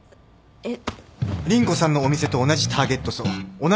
えっ？